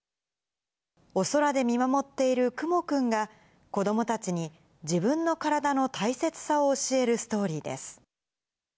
お空で見守っているくもくんが、子どもたちに自分の体の大切さを教えるストーリーです。